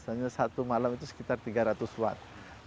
hanya satu malam itu sekitar tiga ratus watt